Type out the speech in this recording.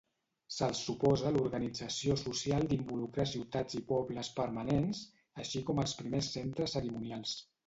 Se'ls suposa l'organització social d'involucrar ciutats i pobles permanents, així com els primers centres cerimonials.